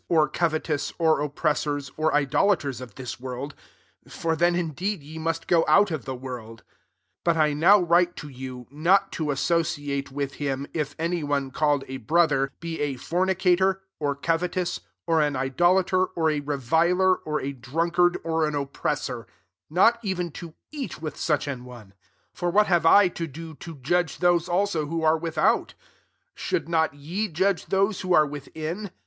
9,77 covetous, or oppressors, or idol aters, of this world : for then indeed ye must go out of the world : 1 1 but I now write to you, not to associate with A£m, if any one, called a brother, be a fornicator, or covetous, or an idolater, or a re viler, or a drunkard, or an oppressor ; not even to eat with such an one. 12 For what have I to do to jadge those [fl/»o] who are without ? Should not ye judge those who are within